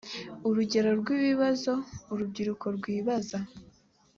urugero rw’ibibazo urubyiruko rwibaza